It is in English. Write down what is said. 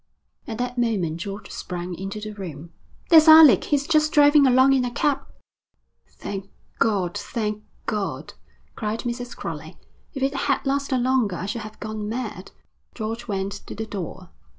At that moment George sprang into the room. 'There's Alec. He's just driving along in a cab.' 'Thank God, thank God!' cried Mrs. Crowley. 'If it had lasted longer I should have gone mad.' George went to the door.